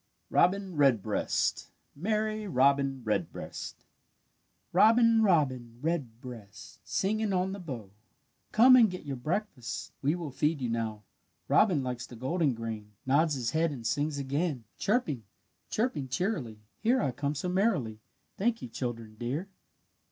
ROBIN REDBREAST MERRY ROBIN REDBREAST "Robin, robin redbreast, Singing on the bough, Come and get your breakfast, We will feed you now. Robin likes the golden grain, Nods his head and sings again: 'Chirping, chirping cheerily, Here I come so merrily, Thank you, children dear!'"